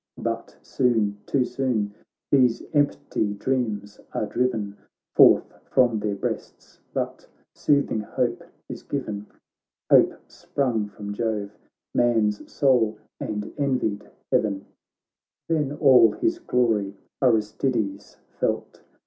But soon, too soon, these empty dreams are driven Forth from their breasts. But soothing hope is given : Hope sprung from Jove, man's sole and envied heaven. Then all his glory Aristides felt.